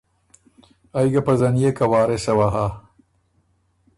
ائ ګه پزنيېک که وارثه وه هۀ۔